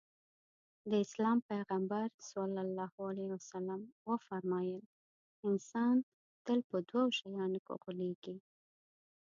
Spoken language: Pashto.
د اسلام پيغمبر ص وفرمايل انسان تل په دوو شيانو کې غولېږي.